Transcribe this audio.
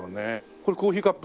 これコーヒーカップ？